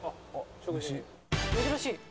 「珍しい」